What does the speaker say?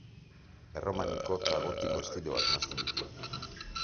Erromaniko eta gotiko estiloak nahasten ditu.